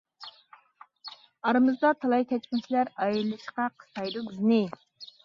ئارىمىزدا تالاي كەچمىشلەر ئايرىلىشقا قىستايدۇ بىزنى.